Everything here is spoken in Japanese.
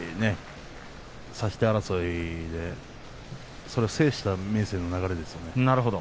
差し手争いそれを制した明生の勝ちですね。